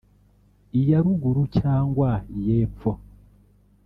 iya ruguru cyangwa iy’epfo